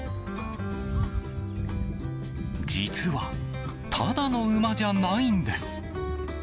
実は、ただの馬じゃないんです。